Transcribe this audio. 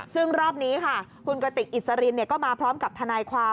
ซึ่งรอบนี้ค่ะคุณกระติกอิสรินก็มาพร้อมกับทนายความ